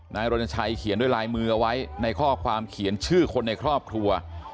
รณชัยเขียนด้วยลายมือเอาไว้ในข้อความเขียนชื่อคนในครอบครัว